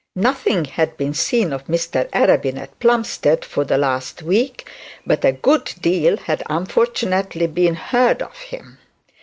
Nothing had been seen of Mr Arabin at Plumstead for the last week, but a good deal had, unfortunately, been heard of him.